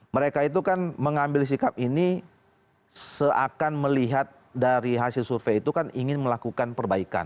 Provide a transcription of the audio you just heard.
mereka itu kan mengambil sikap ini seakan melihat dari hasil survei itu kan ingin melakukan perbaikan